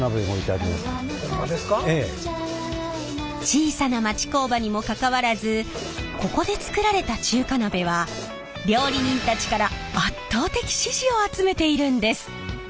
小さな町工場にもかかわらずここで作られた中華鍋は料理人たちから圧倒的支持を集めているんです。